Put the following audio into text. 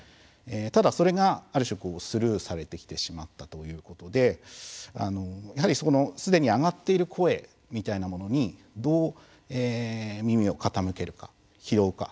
ただ、それがある種スルーされてきてしまったということでやはり、すでに上がっている声みたいなものにどう耳を傾けるか、拾うか。